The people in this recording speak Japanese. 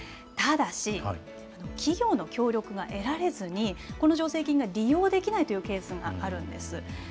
ただし、企業の協力が得られずに、この助成金が利用できないというケースがあるんです。